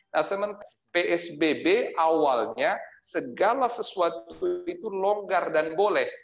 nah sementara psbb awalnya segala sesuatu itu longgar dan boleh